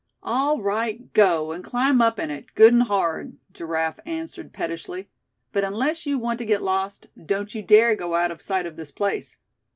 "All right, go, and climb up in it, good and hard," Giraffe answered pettishly; "but unless you want to get lost, don't you dare go out of sight of this place.